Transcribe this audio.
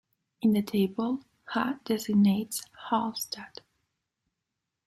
In the table, Ha designates Hallstatt.